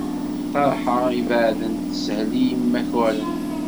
Ṭeṛḥa ibeɛden, teshel i yimakaren.